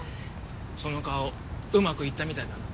その顔上手くいったみたいだな。